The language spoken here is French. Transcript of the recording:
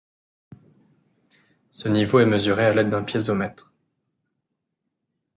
Ce niveau est mesuré à l'aide d'un piézomètre.